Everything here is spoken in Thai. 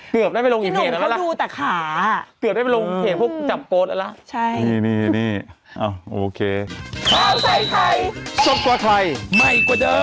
โปรดติดตามตอนต่อไป